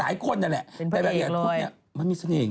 มันออร่าหรออะไรมันแฝง